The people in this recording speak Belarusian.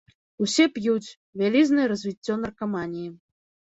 Усе п'юць, вялізнае развіццё наркаманіі.